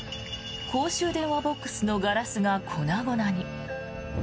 公衆電話ボックスのガラスが粉々に。